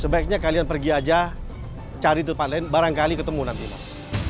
sebaiknya kalian pergi aja cari tempat lain barangkali ketemu nanti mas